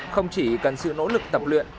không chỉ cần sự nỗ lực tập luyện